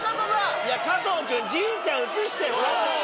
加藤君神ちゃん映して！